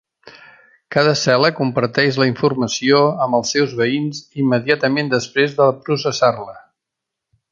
Cada cel·la comparteix la informació amb els seus veïns immediatament després de processar-la.